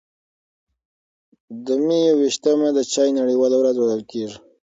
د مې یو ویشتمه د چای نړیواله ورځ بلل کېږي.